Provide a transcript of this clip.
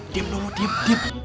diam dong diam diam